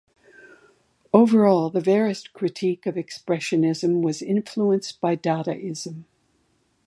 Overall, the "verist" critique of expressionism was influenced by Dadaism.